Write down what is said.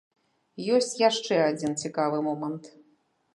Ёсць яшчэ адзін цікавы момант.